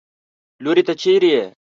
لورې! ته چېرې يې؟